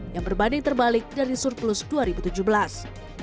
yang berbanding terbalik dari surplus dua ribu tujuh belas